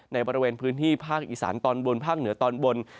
ในบริเวณพื้นที่ภาคอีสานตอนบนภาคเหนือตอนบน